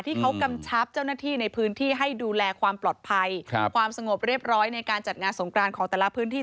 กำชับเจ้าหน้าที่ในพื้นที่ให้ดูแลความปลอดภัยความสงบเรียบร้อยในการจัดงานสงกรานของแต่ละพื้นที่